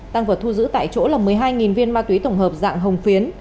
tăng vật thu giữ tại chỗ là một mươi hai viên ma túy tổng hợp dạng hồng phiến